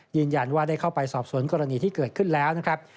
ยืนยันว่าได้เข้าไปสอบสวนกรณีที่เกิดขึ้นแล้วนะครับ